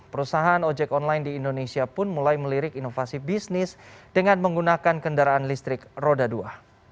perusahaan ojek online di indonesia pun mulai melirik inovasi bisnis dengan menggunakan kendaraan listrik roda dua